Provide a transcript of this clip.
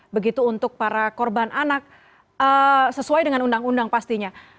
begitu untuk para korban anak sesuai dengan undang undang pastinya